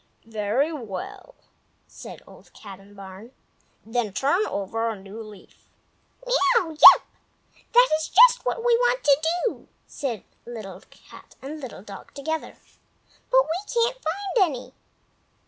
"Very well!" said Old Cat in the Barn. "Then turn over a new leaf!" "Miaouw!" "Yap!" "That is just what we want to do!" said Little Cat and Little Dog together; "but we can't find any."